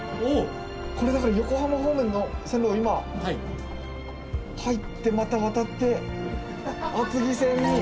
これだから横浜方面の線路が今入ってまた渡って厚木線に。